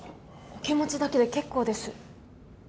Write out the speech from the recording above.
お気持ちだけで結構です。